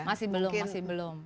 masih belum masih belum